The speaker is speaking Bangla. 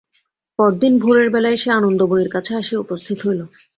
পরদিন ভোরের বেলাই সে আনন্দময়ীর কাছে আসিয়া উপস্থিত হইল।